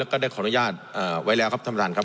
ก็ได้ขออนุญาตไว้แล้วครับท่านประธานครับ